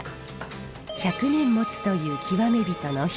１００年もつという極め人の杼。